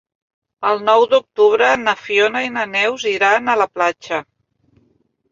El nou d'octubre na Fiona i na Neus iran a la platja.